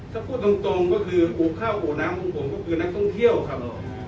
ถ้าพูดตรงก็คือปลูกข้าวโอน้ำของผมก็คือนักท่องเที่ยวครับ